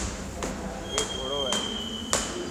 اي گهوڙو هي.